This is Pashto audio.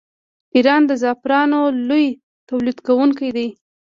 ایران د زعفرانو لوی تولیدونکی دی.